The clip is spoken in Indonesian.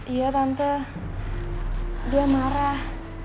iya tante dia marah